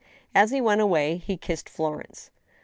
As be went away, he kissed Florence.